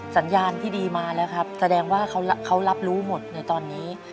สัญญาณที่ดีมาแล้วครับแสดงว่าเขารับรู้หมดในตอนนี้